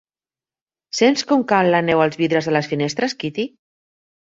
Sents com cau la neu als vidres de les finestres, Kitty?